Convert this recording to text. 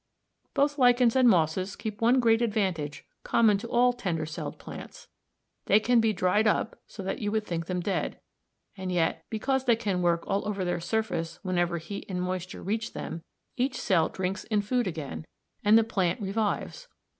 Both lichens and mosses keep one great advantage common to all tender celled plants; they can be dried up so that you would think them dead, and yet, because they can work all over their surface whenever heat and moisture reach them, each cell drinks in food again and the plant revives.